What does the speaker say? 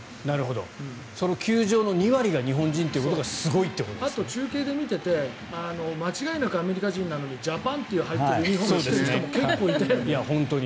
その球場の２割が日本人というのがあと、中継で見ていて間違いなくアメリカ人なのにジャパンと入っているユニホームを着ている人も結構いたよね。